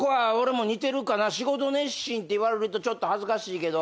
仕事熱心って言われるとちょっと恥ずかしいけど。